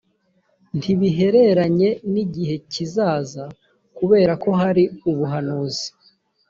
ntibihereranye n’igihe kizaza kubera ko hari ubuhanuzi.